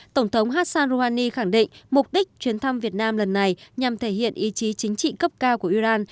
tổng thống hassan rouhani khẳng định mục đích chuyến thăm việt nam lần này nhằm thể hiện ý chí chính trị cấp cao của iran